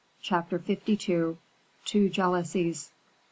Chapter LII. Two Jealousies.